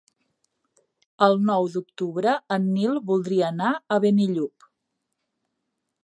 El nou d'octubre en Nil voldria anar a Benillup.